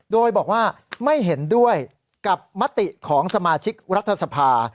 โดยบอกว่าไม่เห็นด้วยกับมติของสมาชิกรัฐสภา